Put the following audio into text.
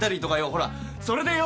ほらそれでよ